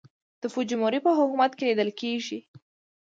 د فوجیموري په حکومت کې لیدل کېږي.